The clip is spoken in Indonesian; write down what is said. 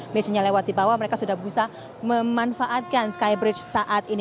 messinya lewat di bawah mereka sudah bisa memanfaatkan skybridge saat ini